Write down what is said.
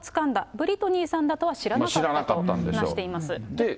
ブリトニーさんだとは知らなかったと。と話しています。